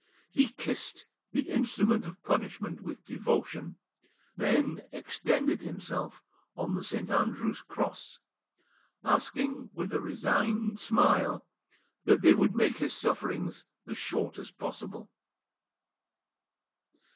He kissed the instrument of punishment with devotion, then extended himself on the St. Andrew's cross, asking with a resigned smile that they would make his sufferings as short as possible.